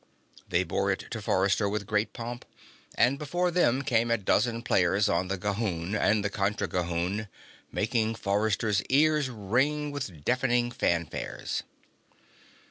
They bore it to Forrester with great pomp, and before them came a dozen players on the gahoon and the contra gahoon, making Forrester's ears ring with deafening fanfares.